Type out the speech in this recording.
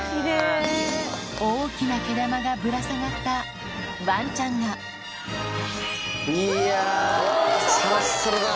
大きな毛玉がぶら下がったワンちゃんがいやサラッサラだ！